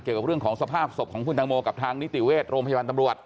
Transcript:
เกี่ยวกับเรื่องของสภาพศพของคุณตังโมกับทางนิติเวชโรงพยาบาลตำรวจ